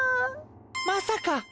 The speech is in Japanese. まさか？